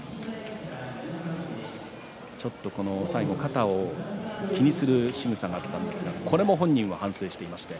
最後、肩を気にするしぐさがありましたがこれも本人は反省していました。